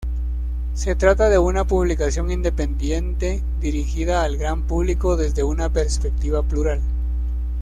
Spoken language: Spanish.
Se trata de una publicación independiente dirigida al gran público desde una perspectiva plural.